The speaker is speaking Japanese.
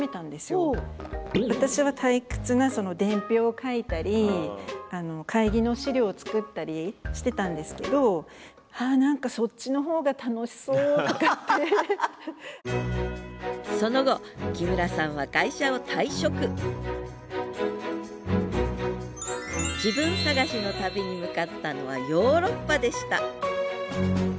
私は退屈な伝票を書いたり会議の資料を作ったりしてたんですけどその後木村さんは会社を退職自分探しの旅に向かったのはヨーロッパでした。